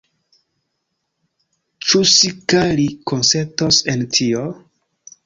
Ĉu si kaj li konsentos en tio?